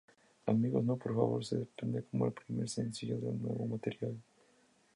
Amigos No Por Favor se desprende como el primer sencillo de el nuevo material.